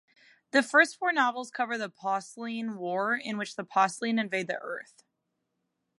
The first four novels cover the Posleen War in which the Posleen invade Earth.